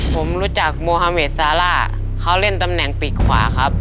ผมรู้จักโมฮาเมดซาร่าเขาเล่นตำแหน่งปีกขวาครับ